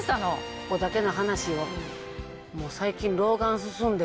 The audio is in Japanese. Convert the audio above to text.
ここだけの話よもう最近。